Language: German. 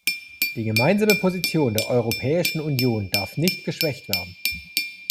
Die gemeinsame Position der Europäischen Union darf nicht geschwächt werden.